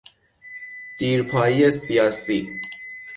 دیرپایی سیاسی